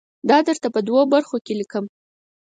دا درته په دوو برخو کې لیکم.